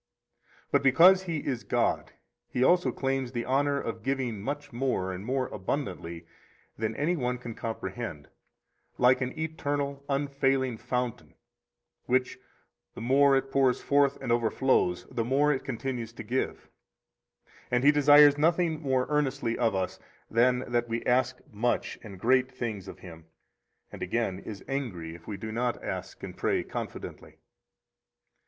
56 But because He is God, He also claims the honor of giving much more and more abundantly than any one can comprehend, like an eternal, unfailing fountain, which, the more it pours forth and overflows, the more it continues to give, and He desires nothing more earnestly of us than that we ask much and great things of Him, and again is angry if we do not ask and pray confidently.